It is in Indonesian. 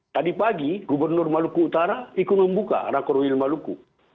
tadi pagi gubernur maluku utara ikut membuka rakorwil maluku